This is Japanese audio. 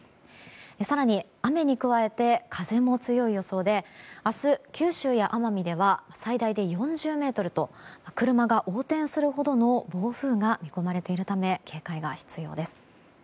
更に、雨に加えて風も強い予想で明日、九州や奄美では最大で４０メートルと車が横転するほどの暴風が見込まれているため警戒が必要です。